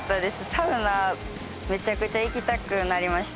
サウナめちゃくちゃ行きたくなりました